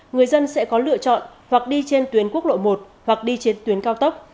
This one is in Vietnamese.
người dân sẽ có lựa chọn hoặc đi trên tuyến quốc lộ một hoặc đi trên tuyến cao tốc